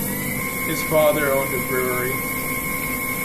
His father owned a brewery.